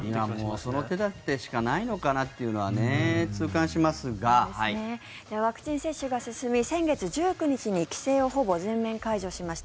その手立てしかないのかなというのはワクチン接種が進み先月１９日に規制をほぼ全面解除しました